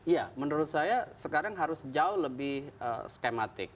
ya menurut saya sekarang harus jauh lebih skematik